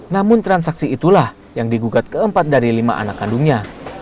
namun transaksi itulah yang digugat keempat dari lima anak kandungnya